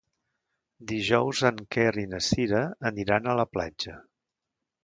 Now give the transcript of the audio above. Dijous en Quer i na Cira aniran a la platja.